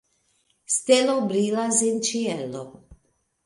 Stelo brilas en ĉielo.